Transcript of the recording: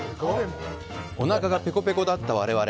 お腹がペコペコだった我々。